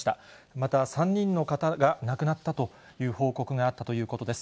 また、３人の方が亡くなったという報告があったということです。